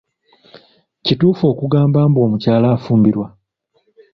Kituufu okugamba mbu omukyala afumbirwa?